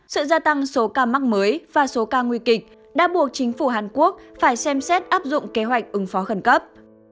sự gia tăng số ca mắc mới và số ca nguy kịch đã buộc chính phủ hàn quốc phải xem xét áp dụng kế hoạch ứng phó khẩn cấp